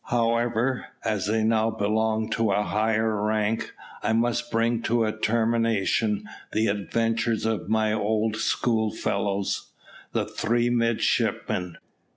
However, as they now belong to a higher rank, I must bring to a termination the adventures of my old schoolfellows, the Three Midshipmen.